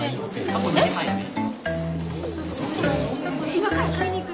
今から買いに行く？